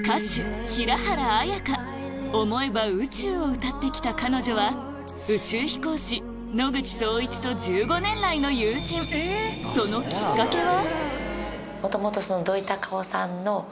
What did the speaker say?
思えば宇宙を歌ってきた彼女は宇宙飛行士野口聡一とそのきっかけは？